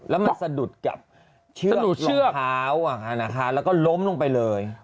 แล้วมันสะดุดกับเชื้อเท้าแล้วก็ล้มลงไปเลย